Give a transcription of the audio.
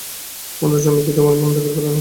অন্তর্যামী কি তোমার মন দেখিতে পান না?